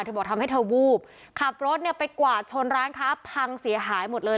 บอกทำให้เธอวูบขับรถเนี่ยไปกวาดชนร้านค้าพังเสียหายหมดเลย